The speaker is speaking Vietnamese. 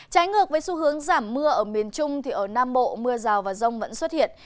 trái ngược với xu hướng giảm mưa ở miền trung thì ở nam bộ mưa rào và rông vẫn xuất hiện